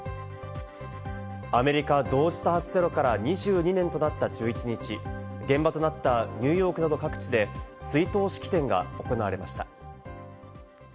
アメリカ同時多発テロから２２年となった１１日、現場となったニューヨークなど各地で追悼式典が行われました。